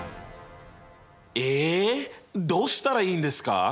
どうしたらいいんですか？